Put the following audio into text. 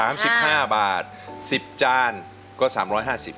สิบห้าบาทสิบจานก็สามร้อยห้าสิบ